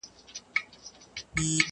نوي نسلونه پوښتني کوي ډېر-